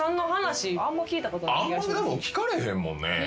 あんま聞かれへんもんね。